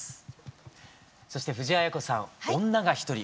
そして藤あや子さん「女がひとり」。